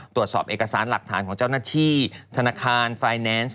ตรวจสอบเอกสารหลักฐานของเจ้าหน้าที่ธนาคารไฟแนนซ์